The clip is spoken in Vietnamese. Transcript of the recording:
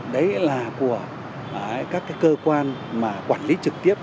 đấy là của các cơ quan mà quản lý trực tiếp